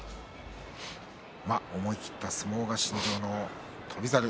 思い切った相撲が身上の翔猿。